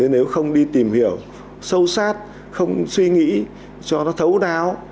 nếu không đi tìm hiểu sâu sát không suy nghĩ cho nó thấu đáo